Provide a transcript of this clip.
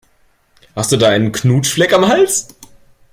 Hast du da einen Knutschfleck am Hals?